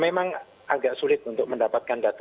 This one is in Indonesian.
memang agak sulit untuk mendapatkan data